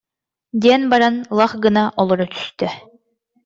диэн баран, лах гына олоро түстэ